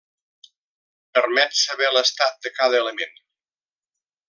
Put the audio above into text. Permet saber l'estat de cada element.